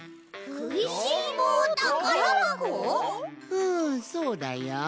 うんそうだよ。